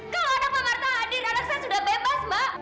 kalau anak mbak marta hadir anak saya sudah bebas mak